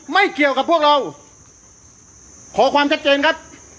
ไม่เกี่ยวกับพวกเราขอความชัดเจนครับ